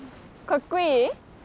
かっこいい？